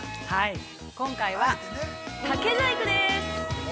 ◆今回は、竹細工でーす。